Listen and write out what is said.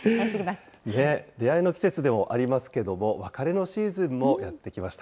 出会いの季節でもありますけれども、別れのシーズンもやって来ました。